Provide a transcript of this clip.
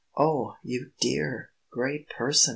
"Oh, you dear, great person!"